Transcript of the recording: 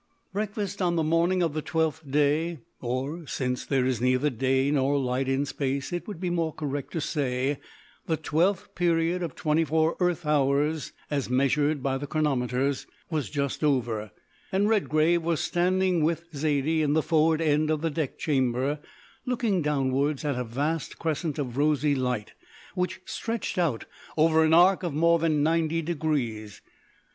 Breakfast on the morning of the twelfth day or, since there is neither day nor night in Space, it would be more correct to say the twelfth period of twenty four earth hours as measured by the chronometers was just over, and Redgrave was standing with Zaidie in the forward end of the deck chamber, looking downwards at a vast crescent of rosy light which stretched out over an arc of more than ninety degrees.